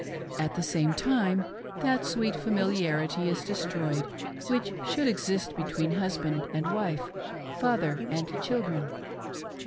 At the same time, that sweet familiarity is destroyed which should exist between husband and wife, father and children.